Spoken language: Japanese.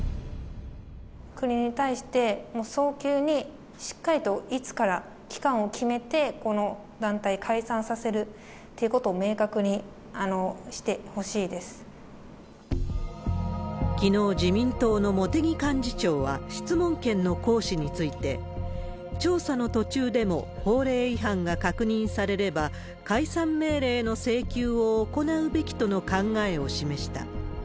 国に対して、早急にしっかりといつから、期間を決めて、この団体解散させるってきのう、自民党の茂木幹事長は、質問権の行使について、調査の途中でも、法令違反が確認されれば、解散命令の請求を行うべきとの考えを示した。